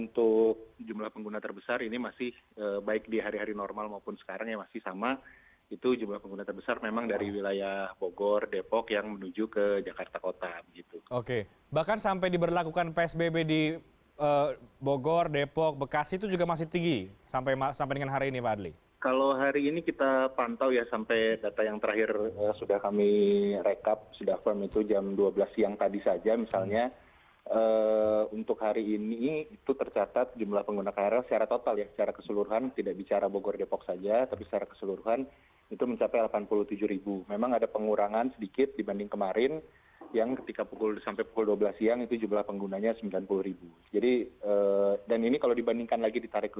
tapi beroperasi dengan pembatasan pembatasan yang berlaku sejak sudah diterapkan sejak berlakunya psbb di dki